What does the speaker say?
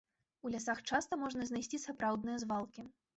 У лясах часта можна знайсці сапраўдныя звалкі.